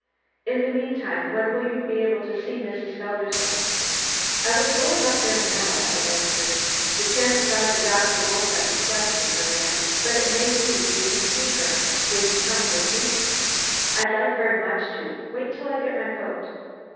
In the meantime, when will you be able to see Mrs. Felderson?" "I was going up there now," I answered. "The chances are the doctor won't let me question her yet, but it may be we can see her. Will you come with me?" "I'd like very much to. Wait till I get my coat!"